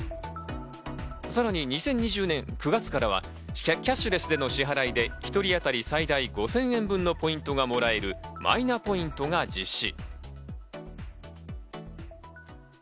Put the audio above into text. さらに２０２０年９月からはキャッシュレスでの支払いで一人当たり最大５０００円分のポイントがもらえるマイナポイントが実施。